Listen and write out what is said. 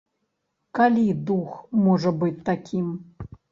Калі дух можа быць такім?